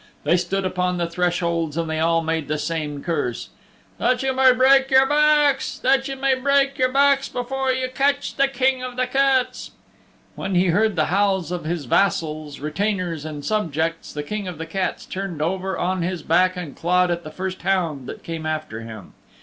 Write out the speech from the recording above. They stood upon the thresholds and they all made the same curse "That ye may break your backs, that ye may break your backs before ye catch the King of the Cats." When he heard the howls of his vassals, retainers and subjects, the King of the Cats turned over on his back and clawed at the first hound that came after him.